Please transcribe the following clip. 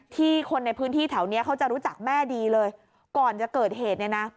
คนในพื้นที่แถวเนี้ยเขาจะรู้จักแม่ดีเลยก่อนจะเกิดเหตุเนี่ยนะ